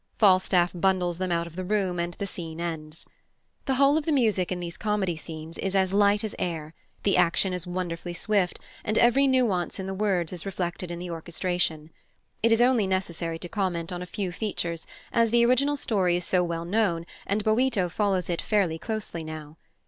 Falstaff bundles them out of the room and the scene ends. The whole of the music in these comedy scenes is as light as air, the action is wonderfully swift, and every nuance in the words is reflected in the orchestration. It is only necessary to comment on a few features, as the original story is so well known and Boito follows it fairly closely now.